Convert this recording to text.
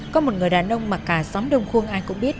có một người đàn ông mà cả xóm đông khuông ai cũng biết